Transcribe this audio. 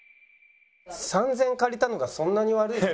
「３０００円借りたのがそんなに悪い事ですか？」。